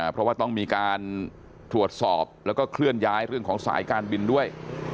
เพราะว่าต้องมีการตรวจสอบแล้วก็เคลื่อนย้ายเรื่องของสายการบินด้วย